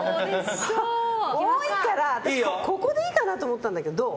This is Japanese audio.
多いから、ここでいいかなと思ったんだけど、どう？